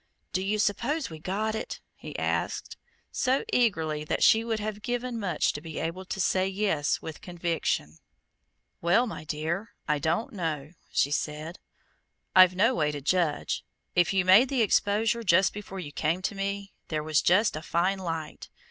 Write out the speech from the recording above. "Do you suppose we got it?" he asked, so eagerly that she would have given much to be able to say yes with conviction. "Why, my dear, I don't know," she said. "I've no way to judge. If you made the exposure just before you came to me, there was yet a fine light.